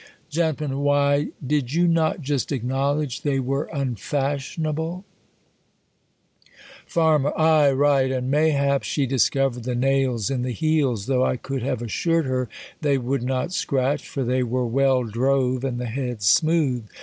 Gent. Why, did you not just acknowledge they were unfashionable ? Farm, Aye, right. And mayhap she discovered the nails m the heels ; though I could have assured her they would not scratch ; for they were well drove, and the heads smooth.